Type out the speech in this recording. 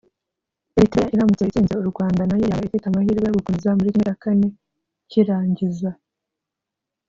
Eritrea iramutse itsinze u Rwanda nayo yaba ifite amahirwe yo gukomeza muri ¼ cy’irangiza